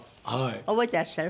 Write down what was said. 覚えてらっしゃる？